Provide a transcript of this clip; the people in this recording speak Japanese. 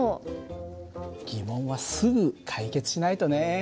疑問はすぐ解決しないとね。